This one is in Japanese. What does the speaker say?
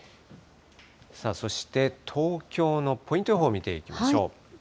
さあ、そして東京のポイント予報見ていきましょう。